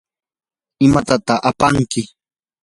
¿imatataq apanki?